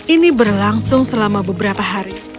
ini berlangsung selama beberapa hari